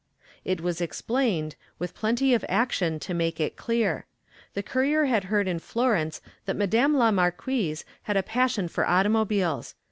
It was explained, with plenty of action to make it clear. The courier had heard in Florence that madame la marquise had a passion for automobiles.